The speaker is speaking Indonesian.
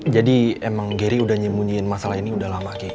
jadi emang geri udah nyemunyiin masalah ini udah lama ki